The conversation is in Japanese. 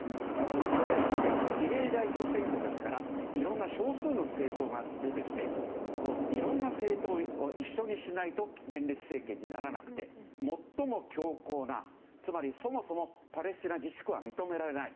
イスラエルって比例代表選挙ですからいろんな少数の政党が出てきていろんな政党を一緒にしないと連立政権にならなくて最も強硬な、つまりそもそもパレスチナ自治区は認められない。